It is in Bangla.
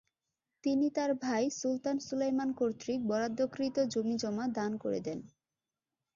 তিনি তার ভাই সুলতান সুলাইমান কর্তৃক বরাদ্দকৃত জমিজমা দান করে দেন।